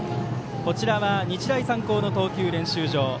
こちらは日大三高の投球練習場。